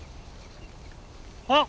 あっ！